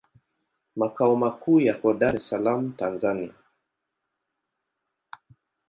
Makao makuu yako Dar es Salaam, Tanzania.